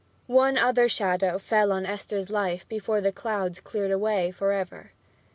One other shadow fell on Esther's life before the clouds cleared away for ever.